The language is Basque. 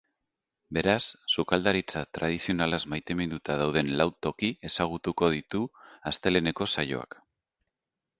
Beraz, sukaldaritza tradizionalaz maiteminduta dauden lau toki ezagutuko ditu asteleheneko saioak.